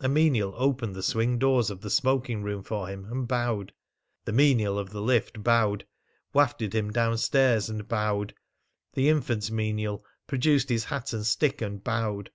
A menial opened the swing doors of the smoking room for him, and bowed. The menial of the lift bowed, wafted him downwards, and bowed. The infant menial produced his hat and stick and bowed.